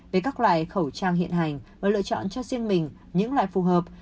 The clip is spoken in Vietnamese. về các loại khẩu trang hiện hành và lựa chọn cho riêng mình những loại phù hợp